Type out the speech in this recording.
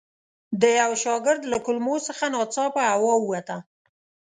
د یوه شاګرد له کلمو څخه ناڅاپه هوا ووته.